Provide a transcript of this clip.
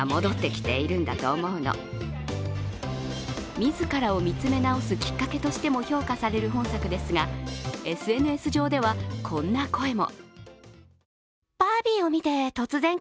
自らを見つめ直すきっかけとしても評価される本作ですが、ＳＮＳ上ではこんな声も。